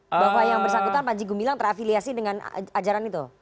bahwa yang bersangkutan panjago milang terafiliasi dengan ajaran itu